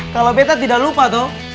kalau peta tidak lupa tuh